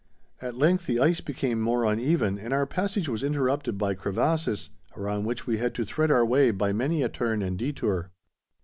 At length the ice became more uneven and our passage was interrupted by crevasses, around which we had to thread our way by many a turn and detour.